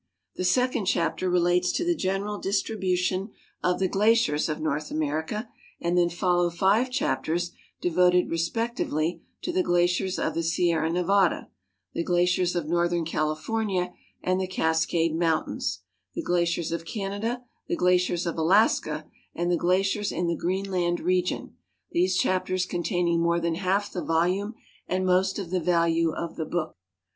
The second chai)ter relates to the general distribution of the glaciers of North America, and then follow five chap ters devoted respectively to the glaciers of the Sierra Nevada, the glaciers of northern California and the Cascade mountains, the glaciers of Canada, the glaciers of Alaska, and the glaciers in the Greenland region, these chapters containing more than half the volume and most of the value of the book.